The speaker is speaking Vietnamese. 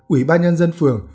ủy ban nhân dân phường